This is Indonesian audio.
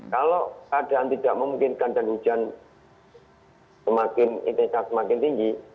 kalau keadaan tidak memungkinkan dan hujan semakin intensitas semakin tinggi